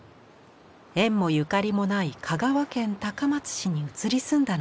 縁もゆかりもない香川県高松市に移り住んだのです。